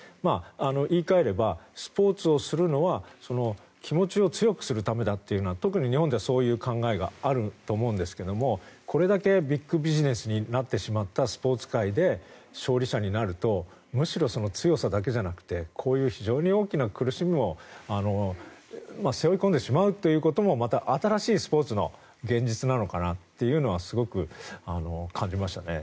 言い換えればスポーツをするのは気持ちを強くするためだというのが特に日本ではそういう考えがあると思うんですけどもこれだけビッグビジネスになってしまったスポーツ界で勝利者になるとむしろ強さだけじゃなくて非常に大きな苦しみも背負い込んでしまうということもまた新しいスポーツの現実なのかなというのはすごく感じましたね。